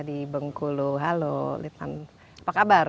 di bungkulu halo litman apa kabar